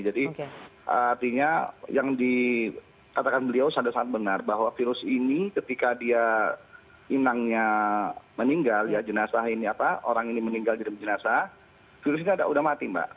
jadi artinya yang dikatakan beliau sangat sangat benar bahwa virus ini ketika dia inangnya meninggal ya jenazah ini apa orang ini meninggal jadi jenazah virus ini ada sudah mati mbak